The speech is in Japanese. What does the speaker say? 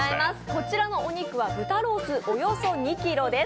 こちらのお肉は豚ロースおよそ２ｋｇです。